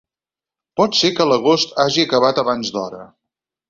Pot ser que l'agost hagi acabat abans d'hora.